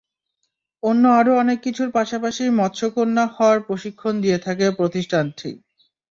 অন্য আরও অনেক কিছুর পাশাপাশি মৎস্যকন্যা হওয়ার প্রশিক্ষণ দিয়ে থাকে প্রতিষ্ঠানটি।